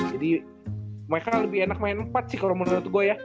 jadi mereka lebih enak main empat sih kalau menurut gue ya